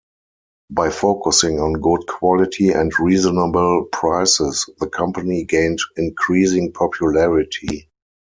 By focusing on good quality and reasonable prices, the company gained increasing popularity.